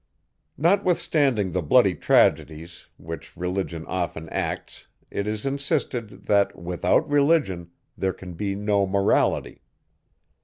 Notwithstanding the bloody tragedies, which Religion often acts, it is insisted, that, without Religion, there can be no Morality.